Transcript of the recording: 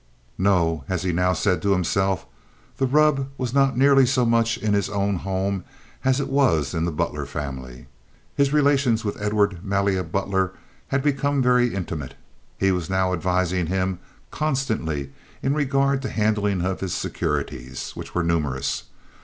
No, as he now said to himself, the rub was not nearly so much in his own home, as it was in the Butler family. His relations with Edward Malia Butler had become very intimate. He was now advising with him constantly in regard to the handling of his securities, which were numerous.